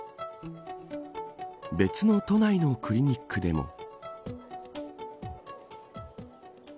別の都内のクリニックでも。